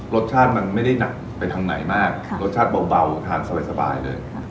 รสชาติมันไม่ได้หนักไปทางไหนมากรสชาติเบาทานสบายเลย